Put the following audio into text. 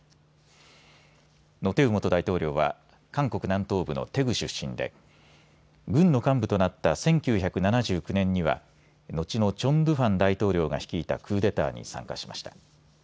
ノ・テウ元大統領は韓国南東部のテグ出身で軍の幹部となった１９７９年には後のチョン・ドゥファン大統領が率いたクーデターに参加しました。